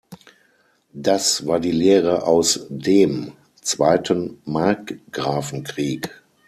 Das war die Lehre aus dem zweiten Markgrafenkrieg.